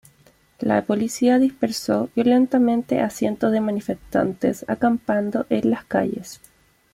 La policía dispersó violentamente a cientos de manifestantes acampando en las calles.